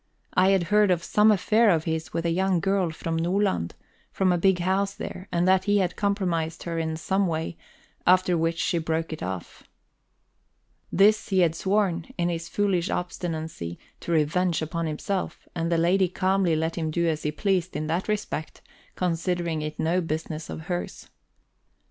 I had heard of some affair of his with a young girl from Nordland, from a big house there, and that he had compromised her in some way, after which she broke it off. This he had sworn, in his foolish obstinacy, to revenge upon himself, and the lady calmly let him do as he pleased in that respect, considering it no business of hers.